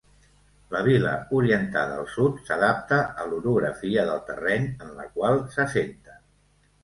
La vila orientada al sud s'adapta a l'orografia del terreny en el qual s'assenta.